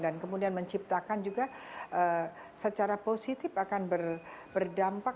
dan kemudian menciptakan juga secara positif akan berdampak